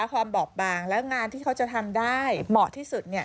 ความบอบบางแล้วงานที่เขาจะทำได้เหมาะที่สุด